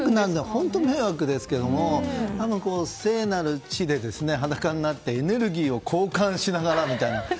本当、迷惑ですけど聖なる地で裸になってエネルギーを交換しながらみたいな。